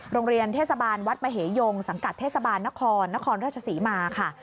โรงเรียนเทศบาลวัดมเหยงสังกัดเทศบาลนครนครราชศรีมาค่ะ